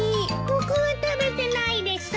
僕は食べてないです。